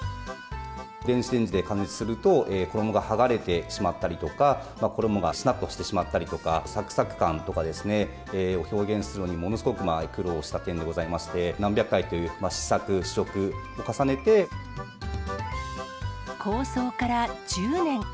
電子レンジで加熱すると、衣が剥がれてしまったりとか、衣がしなっとしてしまったりとか、さくさく感とかを表現するのに、ものすごく苦労した点でございまして、何百回という試作、試食を構想から１０年。